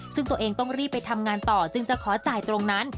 ซึ่งตัวเองต้องรีบไปทำงานต่อจึงจะขอจ่ายตรงนั้น